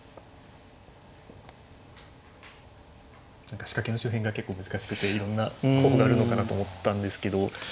何か仕掛けの周辺が結構難しくていろんな候補があるのかなと思ったんですけど。